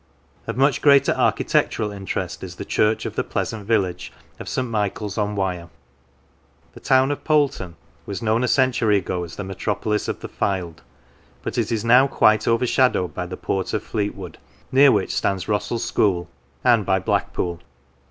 Of much greater architectural interest is the church of the pleasant village of St. Michaels on Wyre. The town of Poulton was known a century ago as the metropolis of the Fylde, but it is now quite over shadowed by the port of Fleetwood, near which stands Rossall School; and by Blackpool.